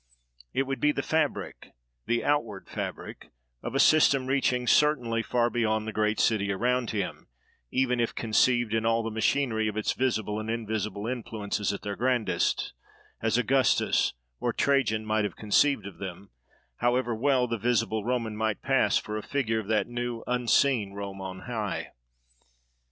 It would be the fabric, the outward fabric, of a system reaching, certainly, far beyond the great city around him, even if conceived in all the machinery of its visible and invisible influences at their grandest—as Augustus or Trajan might have conceived of them—however well the visible Rome might pass for a figure of that new, unseen, Rome on high.